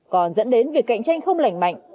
còn dẫn đến việc cạnh tranh không lành mạnh